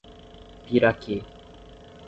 Piraquê